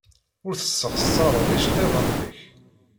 Ur tessexṣareḍ iceḍḍiḍen-nnek.